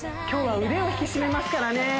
今日は腕を引き締めますからね